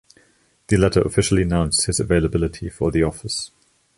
The latter officially announced his availability for the office.